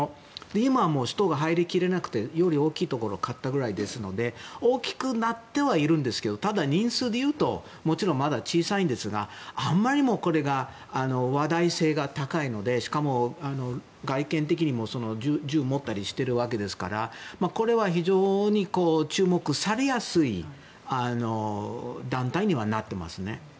今は人が入りきれなくてより大きいところを買ったくらいですので大きくなってはいるんですけどただ、人数でいうとまだ小さいんですがあまりにも、これが話題性が高いのでしかも、外見的にも銃を持ったりしていますからこれは非常に注目されやすい団体にはなっていますね。